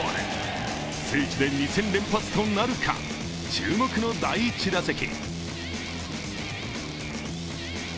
聖地で２戦連発となるか、注目の第１打席。